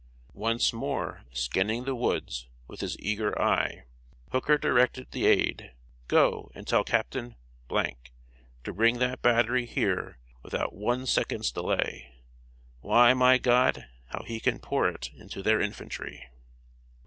Once more scanning the woods with his eager eye, Hooker directed the aid: "Go, and tell Captain to bring that battery here without one second's delay. Why, my God, how he can pour it into their infantry!"